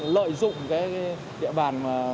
lợi dụng địa bàn